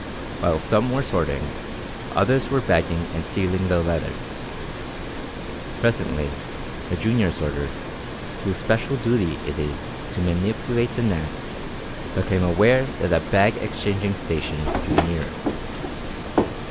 While some were sorting, others were bagging and sealing the letters. Presently the junior sorter, whose special duty it is to manipulate the net, became aware that a bag exchanging station drew near.